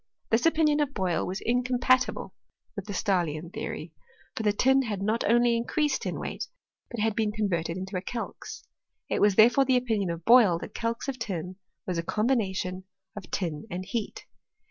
This opinion of Boyle was incompatible with the Stah lian theory: for the tin had not only increased in weight, but had been converted into a calx. It was therefore the opinion of Boyle that calx of tin was a combination of tin and heat.